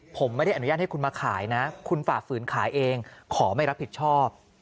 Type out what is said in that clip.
ผมไม่ได้อนุญาตให้คุณมาขายนะคุณฝ่าฝืนขายเองขอไม่รับผิดชอบ